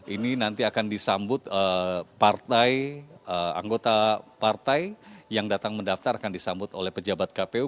ini nanti akan disambut partai anggota partai yang datang mendaftar akan disambut oleh pejabat kpu